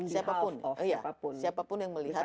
siapapun siapapun yang melihat